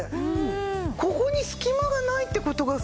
ここに隙間がないって事がさ